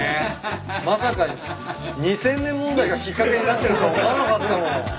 まさか２０００年問題がきっかけになってるとは思わなかったもん。